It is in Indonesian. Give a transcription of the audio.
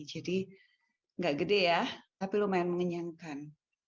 jadi tidak besar tapi lumayan mengenyangkan